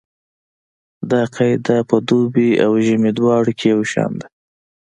دا قاعده په دوبي او ژمي دواړو کې یو شان ده